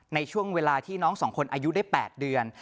ในช่วงเวลาที่น้องสองคนอายุได้๘เดือน